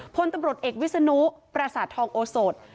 พลตำรวจเอกวิศนุปราสาททองโอสด